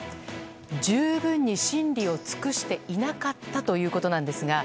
十分に審理を尽くしていなかったということなんですが。